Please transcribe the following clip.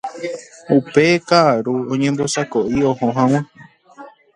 Upe ka'aru oñembosako'i oho hag̃ua